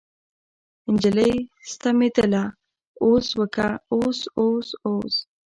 نجلۍ ستمېدله اوس وکه اوس اوس اوس.